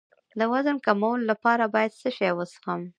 د وزن کمولو لپاره باید څه شی وڅښم؟